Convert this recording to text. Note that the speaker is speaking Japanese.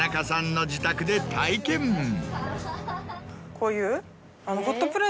こういう。